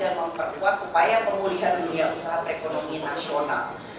dan memperkuat upaya pengulihan dunia usaha perekonomian nasional